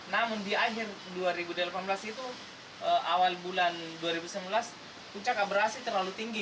namun di akhir dua ribu delapan belas itu awal bulan dua ribu sembilan belas puncak abrasi terlalu tinggi